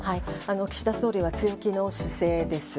岸田総理は強気の姿勢です。